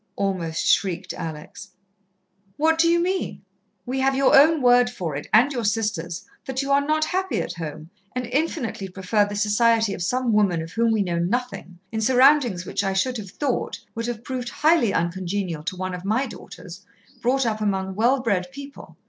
almost shrieked Alex. "What do you mean? We have your own word for it and your sister's that you are not happy at home, and infinitely prefer the society of some woman of whom we know nothing, in surroundings which I should have thought would have proved highly uncongenial to one of my daughters, brought up among well bred people.